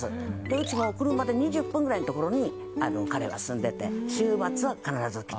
うちの車で２０分ぐらいの所に彼は住んでて週末は必ず来て。